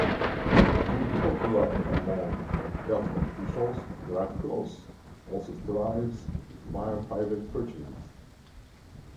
Though popular among government officials the Lacrosse also thrives via private purchases.